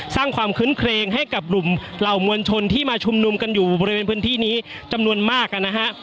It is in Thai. สร้างความคื้นเครงให้กับกลุ่มเหล่ามวลชนที่มาชุมนุมกันอยู่บริเวณพื้นที่นี้จำนวนมากนะฮะ